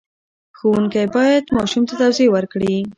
ښوونکی باید ماشوم ته توضیح ورکړي.